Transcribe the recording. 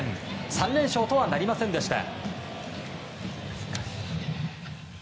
３連勝とはなりませんでした。